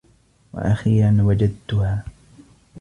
و أخيرا وجدتها.